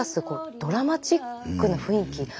こうドラマチックな雰囲気。